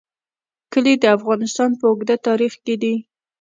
کلي د افغانستان په اوږده تاریخ کې دي.